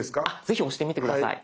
ぜひ押してみて下さい。